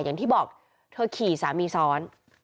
อย่างที่บอกเธอขี่สามีซ้อน